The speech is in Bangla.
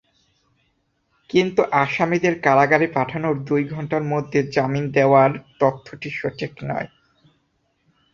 কিন্তু আসামিদের কারাগারে পাঠানোর দুই ঘণ্টার মধ্যে জামিন দেওয়ার তথ্যটি সঠিক নয়।